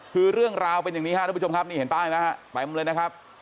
คือเรื่องราวเป็นอย่างนี้ครับทุกผู้ชมครับนี่เห็นป้ายไหมฮะเต็มเลยนะครับ